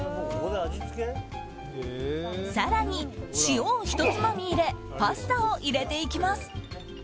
更に、塩をひとつまみ入れパスタを入れていきます。